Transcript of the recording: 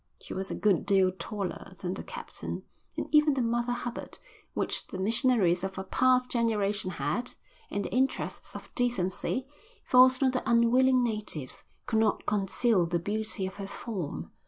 She was a good deal taller than the captain, and even the Mother Hubbard, which the missionaries of a past generation had, in the interests of decency, forced on the unwilling natives, could not conceal the beauty of her form.